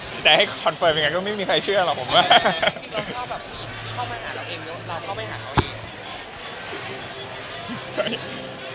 คิดเราชอบแบบพี่เข้ามาหาเราเองเราเข้ามาหาเค้าเอง